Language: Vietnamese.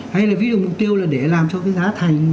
hay là ví dụ mục tiêu là để làm cho cái giá thành